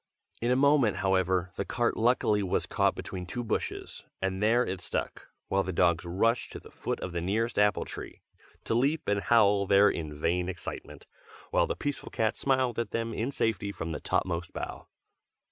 In a moment, however, the cart luckily was caught between two bushes, and there it stuck, while the dogs rushed to the foot of the nearest apple tree, to leap and howl there in vain excitement, while the peaceful cat smiled at them in safety from the topmost bough.